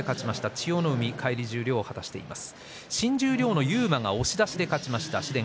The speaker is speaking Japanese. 千代の海、返り十両を果たしています。